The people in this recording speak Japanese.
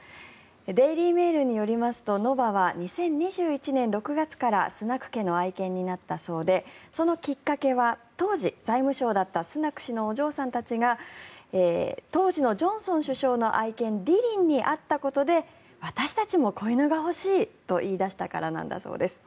デイリー・メールによりますとノヴァは２０２１年６月からスナク家の愛犬になったそうでそのきっかけは当時、財務相だったスナク氏のお嬢さんたちが当時のジョンソン首相の愛犬ディリンに会ったことで私たちも子犬が欲しいと言い出したからなんだそうです。